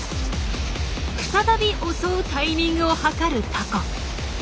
再び襲うタイミングをはかるタコ。